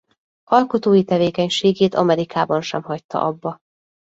Alkotói tevékenységét Amerikában sem hagyta abba.